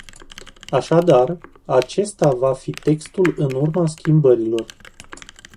Așadar, acesta va fi textul în urma schimbărilor.